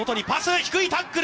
低いタックル。